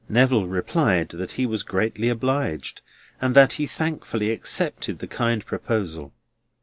Neville replied that he was greatly obliged, and that he thankfully accepted the kind proposal.